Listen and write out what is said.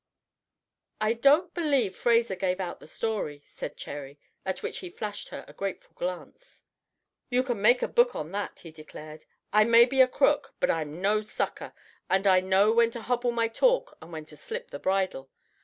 "I don't believe Fraser gave out the story," said Cherry, at which he flashed her a grateful glance. "You can make a book on that," he declared. "I may be a crook, but I'm no sucker, and I know when to hobble my talk and when to slip the bridle.